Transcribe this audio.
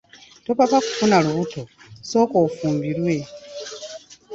Topapa kufuna lubuto, sooka ofumbirwe.